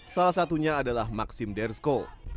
salah satunya adalah maxim dersko